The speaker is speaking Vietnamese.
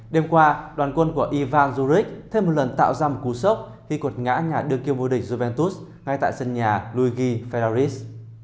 đêm qua đoàn quân của ivan djuric thêm một lần tạo ra một cú sốc khi cột ngã nhà đưa kiếm vua địch juventus ngay tại sân nhà luigi ferraris